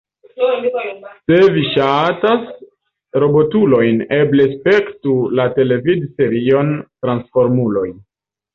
Se vi ŝatas robotulojn, eble spektu la televidserion Transformuloj.